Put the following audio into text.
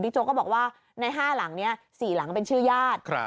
บิ๊กโจ๊กก็บอกว่าในห้าหลังเนี่ยสี่หลังเป็นชื่อญาติครับ